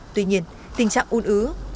tuy nhiên tình trạng un ứa